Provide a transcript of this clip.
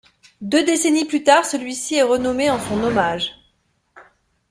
Deux décennies plus tard, celui-ci est renommé en son hommage.